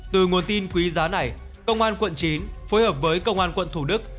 từ nguồn tin quý giá này công an quận chín phối hợp với công an quận thủ đức